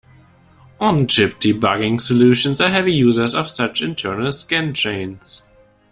On-chip debugging solutions are heavy users of such internal scan chains.